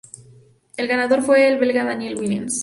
El ganador fue el belga Daniel Willems.